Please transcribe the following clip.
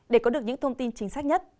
để có được những thông tin chính xác nhất